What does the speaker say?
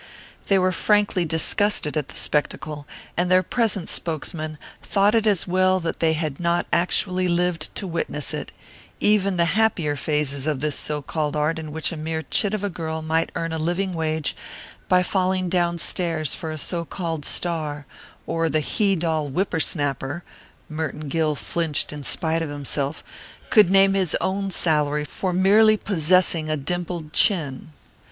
They were frankly disgusted at the spectacle, and their present spokesman thought it as well that they had not actually lived to witness it even the happier phases of this so called art in which a mere chit of a girl might earn a living wage by falling downstairs for a so called star, or the he doll whippersnapper Merton Gill flinched in spite of himself could name his own salary for merely possessing a dimpled chin.